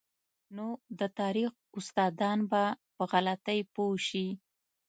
نو د تاریخ استادان به په غلطۍ پوه شي.